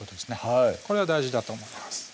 はいこれが大事だと思います